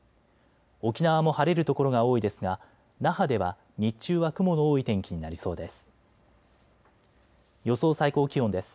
沖縄も晴れる所が多いですが那覇では日中は雲の多い天気になりそうです。